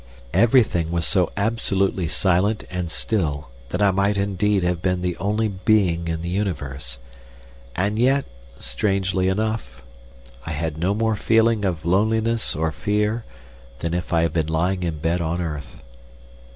Everything was so absolutely silent and still that I might indeed have been the only being in the universe, and yet, strangely enough, I had no more feeling of loneliness or fear than if I had been lying in bed on earth.